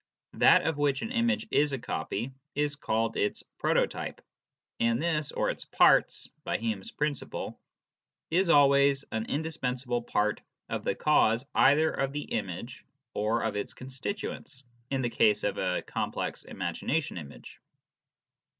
That of which an image is a copy is called its "prototype"; and this, or its parts, by Hume's principle, is always an indispensable part of the cause either of the image, or of its constituents (in the case of a complex imagi nation image).